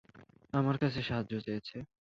আমার কাছে সাহায্য চেয়েছে।